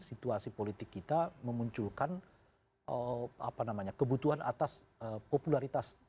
situasi politik kita memunculkan kebutuhan atas popularitas